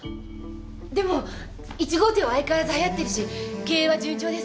でも１号店は相変わらずはやってるし経営は順調です。